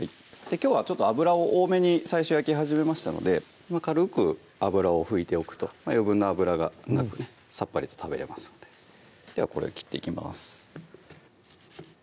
きょうは油を多めに最初焼き始めましたので軽く油を拭いておくと余分な油がなくねさっぱりと食べれますのでではこれを切っていきます